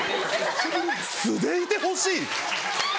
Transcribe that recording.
素でいてほしい？